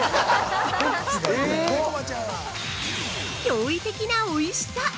◆驚異的なおいしさ！